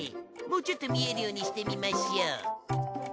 もうちょっと見えるようにしてみましょう。